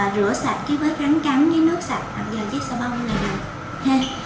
rửa sạch cái vết rắn cắn với nước sạch làm vừa chiếc sà bông này